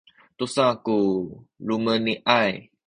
tusa ku lumeni’ay